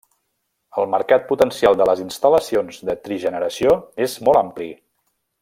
El mercat potencial de les instal·lacions de trigeneració és molt ampli.